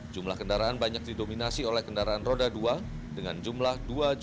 jumlah kendaraan banyak didominasi oleh kendaraan roda dua dengan jumlah dua tiga ratus empat puluh dua